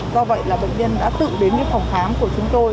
do vậy là bệnh nhân đã tự đến phòng khám của chúng tôi